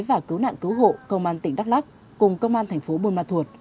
và cứu nạn cứu hộ công an tỉnh đắk lạc cùng công an thành phố bồn ma thuột